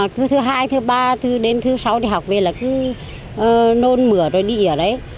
thứ hai thứ ba đến thứ sáu học về là cứ nôn mửa rồi đi ở đấy